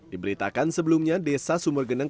diberitakan sebelumnya desa sumur geneng